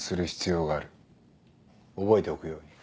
覚えておくように。